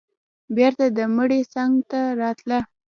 بېرته د مړي څنگ ته راتله.